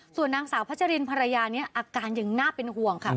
ส่วนนางสาวพัชรินภรรยานี้อาการยังน่าเป็นห่วงค่ะ